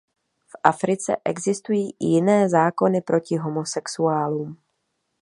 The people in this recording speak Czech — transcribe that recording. V Africe existují i jiné zákony proti homosexuálům.